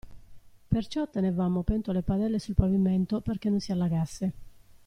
Perciò tenevamo pentole e padelle sul pavimento perché non si allagasse.